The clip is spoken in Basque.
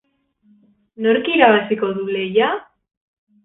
Nork irabaziko du lehia?